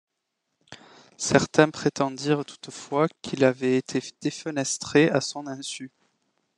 Certains prétendirent toutefois qu'il avait été défenestré à son insu.